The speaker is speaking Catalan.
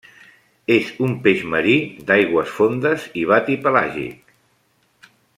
És un peix marí, d'aigües fondes i batipelàgic.